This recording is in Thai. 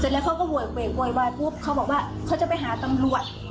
เสร็จแล้วเขาก็เว่ยเว่ยเว่ยเว่ยปุ๊บเขาบอกว่าเขาจะไปหาตำรวจ